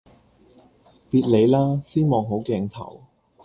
別理啦！先望好鏡頭